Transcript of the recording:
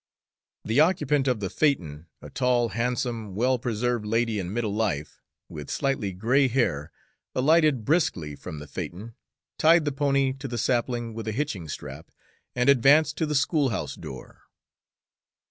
The occupant of the phaeton, a tall, handsome, well preserved lady in middle life, with slightly gray hair, alighted briskly from the phaeton, tied the pony to the sapling with a hitching strap, and advanced to the schoolhouse door.